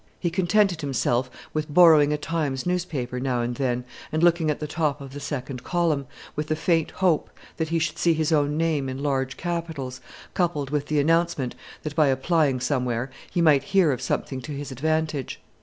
He contented himself with borrowing a "Times" newspaper now and then, and looking at the top of the second column, with the faint hope that he should see his own name in large capitals, coupled with the announcement that by applying somewhere he might hear of something to his advantage.